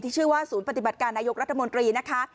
ชื่อว่าศูนย์ปฏิบัติการนายกรัฐมนตรีนะคะ